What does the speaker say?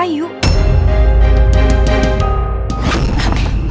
ini punya aku